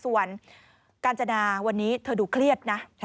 ส่วนกาญจนาวันนี้เธอดูเครียดนะ